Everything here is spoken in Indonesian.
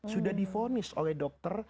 sudah difonis oleh dokter